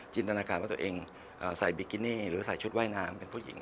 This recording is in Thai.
ตนาการว่าตัวเองใส่บิกินี่หรือใส่ชุดว่ายน้ำเป็นผู้หญิง